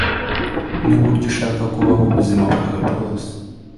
nuburyo ushaka kubaho ubuzima bwawe bwose